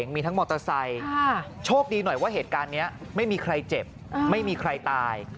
ไม่มีใครเจ็บไม่มีใครตาย